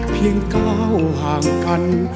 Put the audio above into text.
เพียงก้าวห่างกัน